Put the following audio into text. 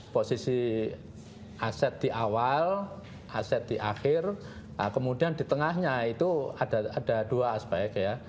posisi aset di awal aset di akhir kemudian di tengahnya itu ada dua aspek ya